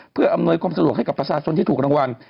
เพื่ออำนวยความสะดวกให้กับประชาชนที่ถูกรางวัล